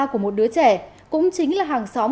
của một đứa trẻ cũng chính là hàng xóm